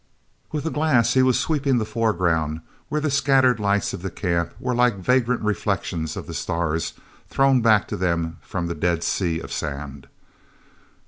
With a glass he was sweeping the foreground where the scattered lights of the camp were like vagrant reflections of the stars thrown back to them from the dead sea of sand.